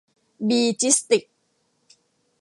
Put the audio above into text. บี จิสติกส์